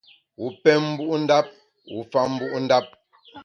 Wu pem mbu’ ndap, wu fa mbu’ ndap.